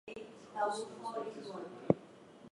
The Giffards and Berkeleys held Stoke and Walls.